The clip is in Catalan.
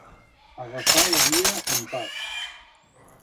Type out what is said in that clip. Agafar la via en pas.